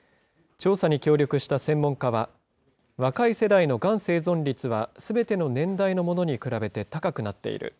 調査に協力した専門家は、若い世代のがん生存率はすべての年代のものに比べて高くなっている。